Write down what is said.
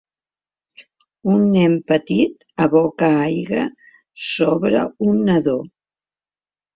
Un nen petit aboca aigua sobre un nadó.